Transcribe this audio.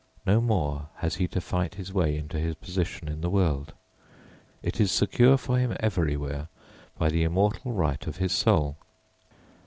No more has he to fight his way into his position in the world; it is secure for him everywhere by the immortal right of his soul.